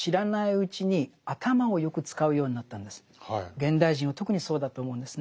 現代人は特にそうだと思うんですね。